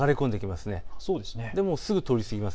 すぐ通り過ぎます。